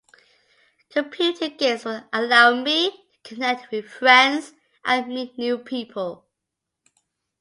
Computer games also allow me to connect with friends and meet new people.